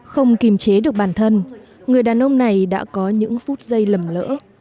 không kìm chế được bản thân người đàn ông này đã có những phút giây lầm lỡ